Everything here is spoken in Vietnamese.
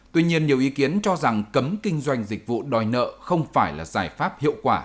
tuy nhiên nhiều ý kiến cho rằng cấm kinh doanh dịch vụ đòi nợ không phải là giải pháp hiệu quả